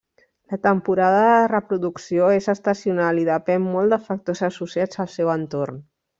La temporada de reproducció és estacional i depèn molt de factors associats al seu entorn.